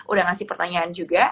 udah ngasih pertanyaan juga